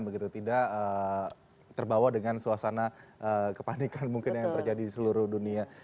begitu tidak terbawa dengan suasana kepanikan mungkin yang terjadi di seluruh dunia